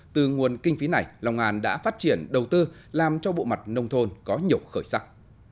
từ nguồn kinh phí này long an đã phát triển đầu tư làm cho bộ mặt nông thôn có nhiều khởi sắc